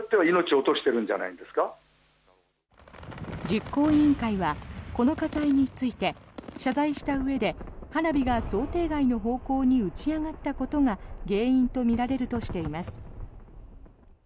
実行委員会はこの火災について謝罪したうえで花火が想定外の方向に打ち上がったことが原因とみられるとしています。